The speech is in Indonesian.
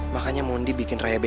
makanya mondi bikin rey bete